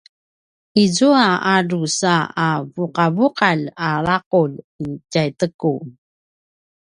izua a drusa a vuqavuqalj a laqulj i tjaiteku